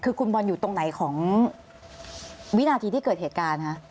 คือคุณบอลอยู่ตรงไหนของวินาทีที่เกิดเหตุการณ์คะ